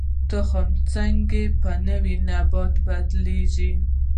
تخم څنګه په نوي نبات بدلیږي؟